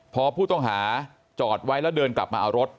พอผู้ต้องหาจอดไว้แล้วเดินกลับมาเอารถ